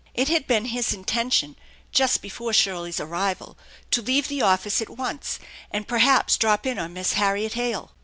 41 42 THE ENCHANTED BARN It had been his intention just before Shirley's arrival to leave the office at once and perhaps drop in on Miss Harriet Hale.